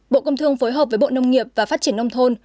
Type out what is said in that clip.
bộ công thương phối hợp với bộ nông nghiệp và phát triển nông thôn